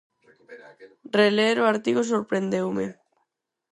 Reler o artigo sorprendeume.